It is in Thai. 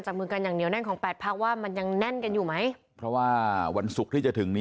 กับโรงวิทยาลัยศาสตร์ผ่านผลการเริ่มต่างให้ความคุ้มได้ให้